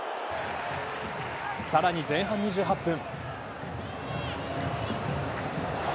さらに前半２８分。